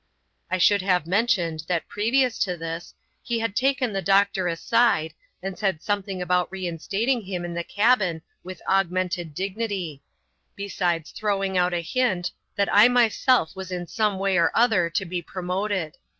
I should have mentioned, that previous to this, he had taken the doctor aside, and said something about reinstating him in the cabin with augmented dignity ; besides throwing out a hint, that I myself was in some way or other to be promoted.